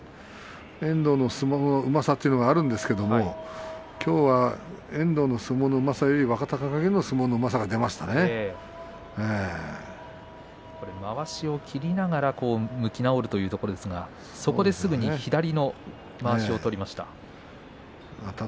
遠藤の相撲のうまさというのもあるんですけれどもきょうは遠藤の相撲のうまさより若隆景の相撲のうまさがまわしを切りながら向き直るというところでしたがそこで、すぐに左のまわしを取りました。